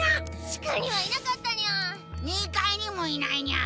地下にはいなかったニャ！